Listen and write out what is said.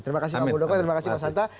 terima kasih pak muldoko terima kasih mas anta